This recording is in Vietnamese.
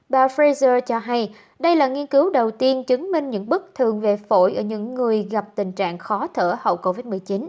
bà pfizer cho hay đây là nghiên cứu đầu tiên chứng minh những bức thường về phổi ở những người gặp tình trạng khó thở hậu covid một mươi chín